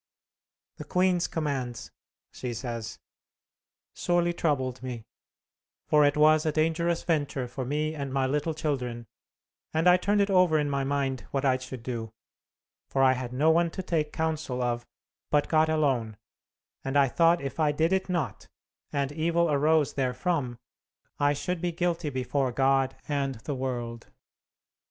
"The queen's commands," she says, "sorely troubled me; for it was a dangerous venture for me and my little children, and I turned it over in my mind what I should do, for I had no one to take counsel of but God alone; and I thought if I did it not, and evil arose therefrom, I should be guilty before God and the world.